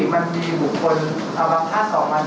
ไม่ไม่นะคะ